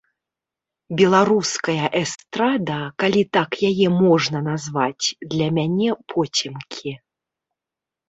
Беларуская эстрада, калі так яе можна назваць, для мяне поцемкі.